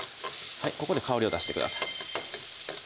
ここで香りを出してください